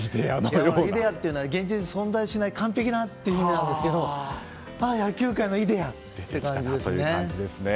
イデアっていうのは現実に存在しない完璧なっていう意味なんですけど野球界のイデアという感じですね。